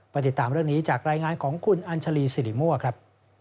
ติดตามเรื่องนี้จากรายงานของคุณอัญชาลีสิริมั่วครับ